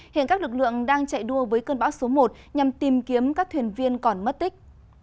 hiện các lực lượng đang chạy đua với cơn bão số một nhằm tìm kiếm các thuyền viên còn mất tích